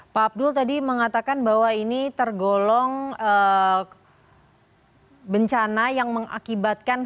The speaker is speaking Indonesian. pak abdul tadi mengatakan bahwa ini tergolong bencana yang mengakibatkan